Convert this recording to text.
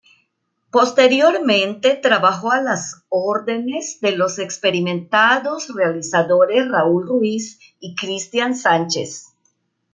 Posteriormente trabajó a las órdenes de los experimentados realizadores Raúl Ruiz y Cristián Sánchez.